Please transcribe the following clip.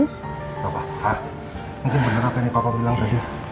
gak apa apa mungkin bener apa yang pak pak bilang tadi